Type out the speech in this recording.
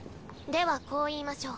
ではこう言いましょう。